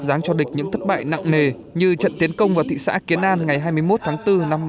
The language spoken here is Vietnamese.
dáng cho địch những thất bại nặng nề như trận tiến công vào thị xã kiến an ngày hai mươi một tháng bốn năm một nghìn chín trăm năm mươi